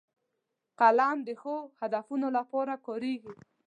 قلم د ښو هدفونو لپاره کارېږي